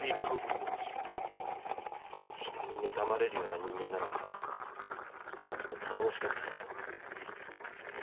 人にねたまれるような人間ならもっと頼もしかったでしょう。